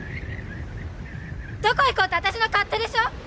どこへ行こうと私の勝手でしょ！